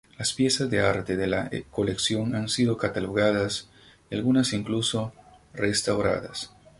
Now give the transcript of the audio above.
Las piezas de arte de la colección han sido catalogadas y algunas incluso restauradas.